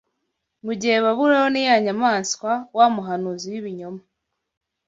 Mu gihe Babuloni, ya nyamaswa, wa muhanuzi w’ibinyoma